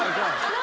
何？